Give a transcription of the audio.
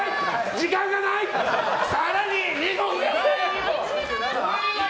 時間がない！